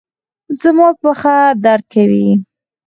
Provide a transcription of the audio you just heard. زما پښه درد کوي